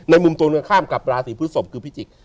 ในมุมตรงข้ามกับราศีพฤศพิจิกษ์